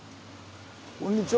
こんにちは。